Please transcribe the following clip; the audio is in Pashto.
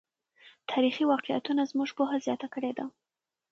تاریخي واقعیتونه زموږ پوهه زیاته کړې ده.